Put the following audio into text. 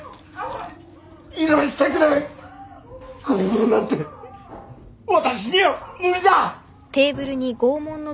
拷問なんて私には無理だ！